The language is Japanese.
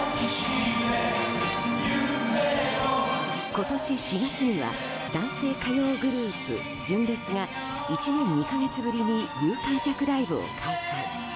今年４月には男性歌謡グループ純烈が１年２か月ぶりに有観客ライブを開催。